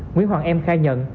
nguyễn hoàng em khai nhận